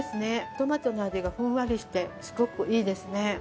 トマトの味がふんわりしてすごくいいですね。